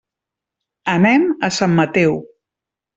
Anem a Sant Mateu.